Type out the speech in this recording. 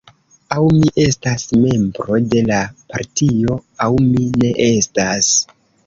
Aŭ mi estas membro de la partio aŭ mi ne estas.